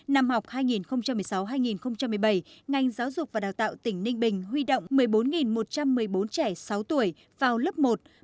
năm học hai nghìn một mươi sáu hai nghìn một mươi bảy ngành giáo dục và đào tạo tỉnh ninh bình huy động một mươi bốn một trăm một mươi bốn trẻ sáu tuổi vào lớp một